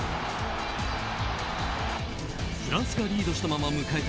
フランスがリードしたまま迎えた